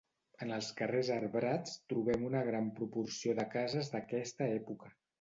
En els carrers arbrats trobem una gran proporció de cases d'aquesta època.